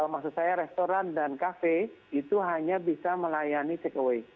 maksud saya restoran dan kafe itu hanya bisa melayani take away